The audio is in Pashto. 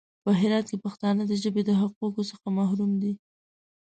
په هرات کې پښتانه د ژبې د حقوقو څخه محروم دي.